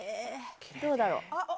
どうだろう？